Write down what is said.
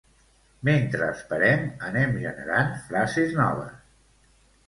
Mentres esperem, anem generant frases noves.